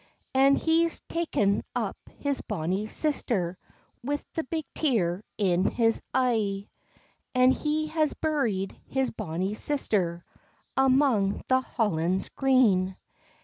And he's taen up his bonny sister, With the big tear in his een, And he has buried his bonny sister Amang the hollins green.